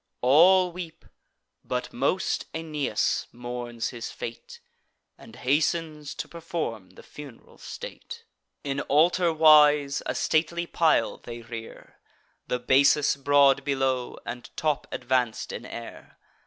All weep; but most Aeneas mourns his fate, And hastens to perform the funeral state. In altar wise, a stately pile they rear; The basis broad below, and top advanc'd in air.